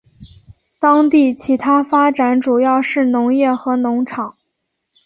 当地其它发展主要是农业和农场。